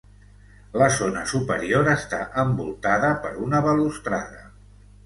La zona superior està envoltada per una balustrada.